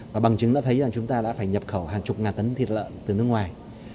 và bằng chứng đã thấy rằng chúng ta đã phải nhập khẩu hàng chục ngàn tấn thịt lợn từ nước ngoài